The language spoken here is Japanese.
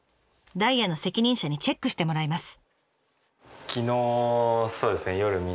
ダイヤの責任者にチェックしてもらいます。